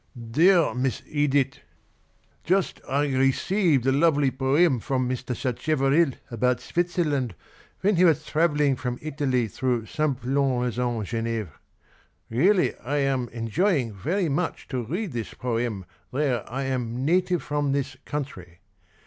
" Dear Miss Edith, Juste I received the lovely poeme from Mr. Sacheveril about Switzerland when he was traveling from Italic thro\igh Simplon Lausanne Geneve. Really I am enjoying very much to read this poeme there I am Native from this Country.